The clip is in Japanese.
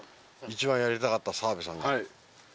一番やりたかった澤部さんが。